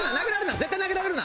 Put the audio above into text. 絶対投げられるな！